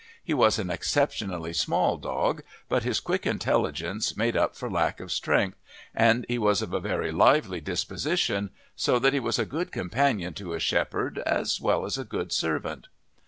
He was an exceptionally small dog, but his quick intelligence made up for lack of strength, and he was of a very lively disposition, so that he was a good companion to a shepherd as well as a good servant.